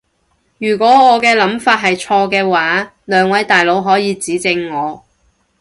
如果我嘅諗法係錯嘅話，兩位大佬可以指正我